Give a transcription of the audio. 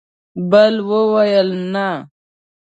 بل وویل: نه!